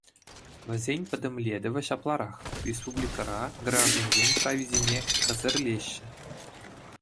Вӗсен пӗтӗмлетӗвӗ ҫапларах: республикӑра граждансен прависене хӗсӗрлеҫҫӗ.